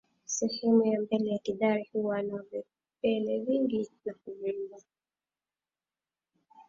Sehemu ya mbele ya kidari huwa na vipele vingi na kuvimba